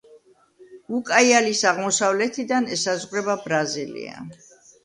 უკაიალის აღმოსავლეთიდან ესაზღვრება ბრაზილია.